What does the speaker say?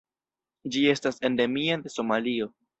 Ĝi estas endemia de Somalio.